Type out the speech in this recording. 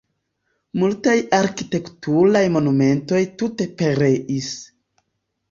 Multaj arkitekturaj monumentoj tute pereis.